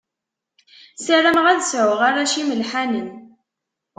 Sarameɣ ad sɛuɣ arrac imelḥanen.